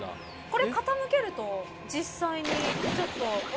これ傾けると実際にちょっと。